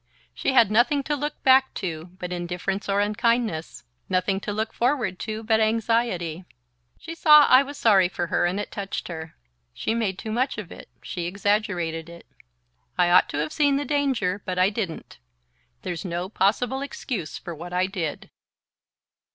She had nothing to look back to but indifference or unkindness nothing to look forward to but anxiety. She saw I was sorry for her and it touched her. She made too much of it she exaggerated it. I ought to have seen the danger, but I didn't. There's no possible excuse for what I did."